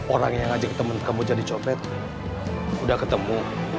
orang yang ngajak temen kamu jadi copet udah ketemu